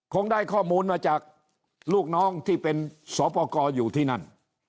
คงได้ข้อมูลมาจากลูกน้องที่เป็นสปกรอยู่ที่นั่น